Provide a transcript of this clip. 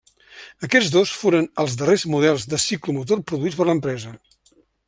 Aquests dos foren els darrers models de ciclomotor produïts per l'empresa.